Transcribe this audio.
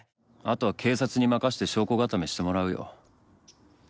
あとは警察に任せて証拠固めしてもらうよ。